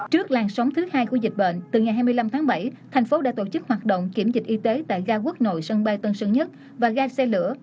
trước làn sóng thứ hai của dịch bệnh từ ngày hai mươi năm tháng bảy thành phố đã tổ chức hoạt động kiểm dịch y tế tại ga quốc nội sân bay tân sơn nhất và ga xe lửa